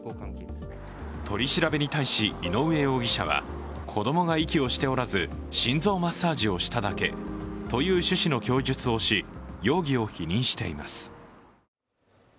取り調べに対し井上容疑者は子供が息をしておらず心臓マッサージをしただけという趣旨の供述をし、容疑を否認しています。